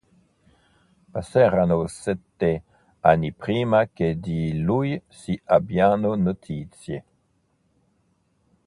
Passeranno sette anni prima che di lui si abbiano notizie.